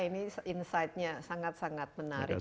ini insightnya sangat sangat menarik